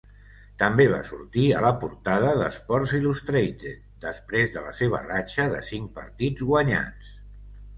També va sortir a la portada de 'Sports Illustrated' després de la seva ratxa de cinc partits guanyats.